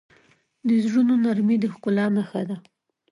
د زړونو نرمي د ښکلا نښه ده.